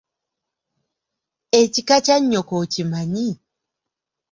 Ekika kya nnyoko okimanyi?